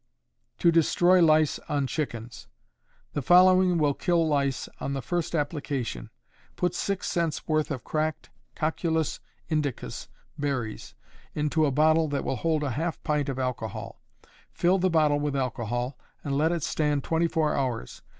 To Destroy Lice on Chickens. The following will kill lice on the first application: Put six cents worth of cracked Coculus Indicus berries into a bottle that will hold a half pint of alcohol: fill the bottle with alcohol, and let it stand twenty four hours.